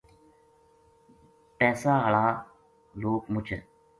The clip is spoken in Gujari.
پیسا ہالا لوک مچ ہے۔